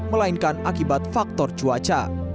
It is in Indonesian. melainkan akibat faktor cuaca